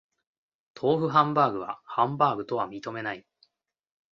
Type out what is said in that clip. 豆腐ハンバーグはハンバーグとは認めない